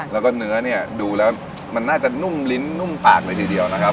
แล้วก็เนื้อเนี่ยดูแล้วมันน่าจะนุ่มลิ้นนุ่มปากเลยทีเดียวนะครับ